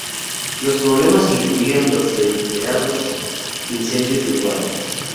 Los problemas incluían los reiterados incendios urbanos.